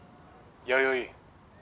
弥生。